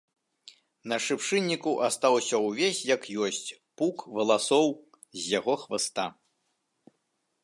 На шыпшынніку астаўся ўвесь як ёсць пук валасоў з яго хваста.